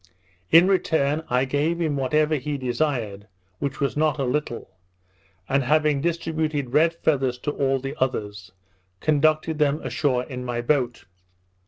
In return, I gave him whatever he desired, which was not a little, and having distributed red feathers to all the others, conducted them ashore in my boat.